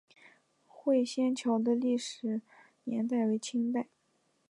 会仙桥的历史年代为清代。